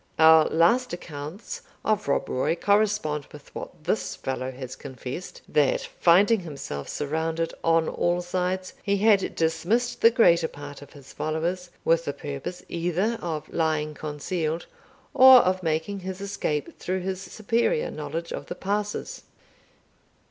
Our last accounts of Rob Roy correspond with what this fellow has confessed, that, finding himself surrounded on all sides, he had dismissed the greater part of his followers, with the purpose either of lying concealed, or of making his escape through his superior knowledge of the passes."